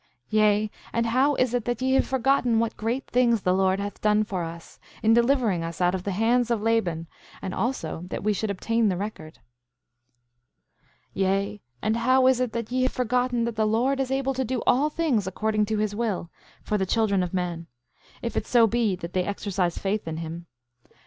7:11 Yea, and how is it that ye have forgotten what great things the Lord hath done for us, in delivering us out of the hands of Laban, and also that we should obtain the record? 7:12 Yea, and how is it that ye have forgotten that the Lord is able to do all things according to his will, for the children of men, if it so be that they exercise faith in him?